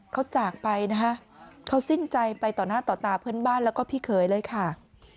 เขาจากไปนะคะเขาสิ้นใจไปต่อหน้าต่อตาเพื่อนบ้านแล้วก็พี่เขยเลยค่ะ